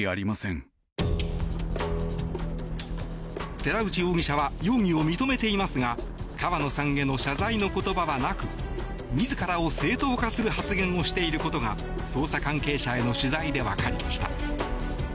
寺内容疑者は容疑を認めていますが川野さんへの謝罪の言葉はなく自らを正当化する発言をしていることが捜査関係者への取材でわかりました。